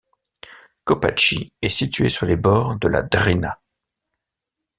Kopači est situé sur les bords de la Drina.